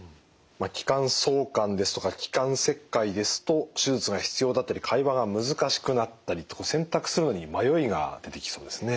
気管挿管ですとか気管切開ですと手術が必要だったり会話が難しくなったりと選択するのに迷いが出てきそうですね。